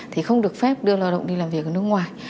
thì không được phép đưa lao động đi làm việc ở nước ngoài